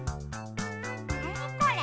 なにこれ？